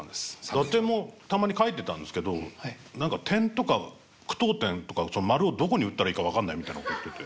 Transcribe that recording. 伊達もたまに書いてたんですけど何か点とか句読点とかマルをどこに打ったらいいか分かんないみたいなこと言ってて。